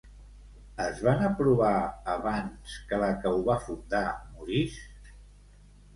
Es van aprovar abans que la que ho va fundar morís?